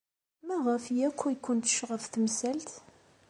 Maɣef akk ay kent-tecɣeb temsalt?